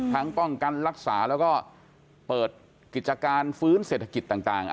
ป้องกันรักษาแล้วก็เปิดกิจการฟื้นเศรษฐกิจต่าง